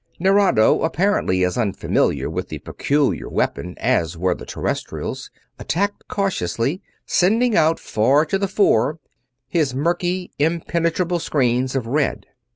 Nerado, apparently as unfamiliar with the peculiar weapon as were the Terrestrials, attacked cautiously; sending out far to the fore his murkily impenetrable screens of red.